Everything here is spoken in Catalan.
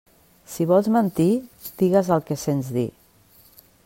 Si vols mentir, digues el que sents dir.